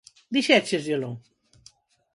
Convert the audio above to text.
Dixéchesllelo?